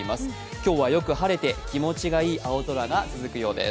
今日はよく晴れて気持ちがいい陽気が続きそうです。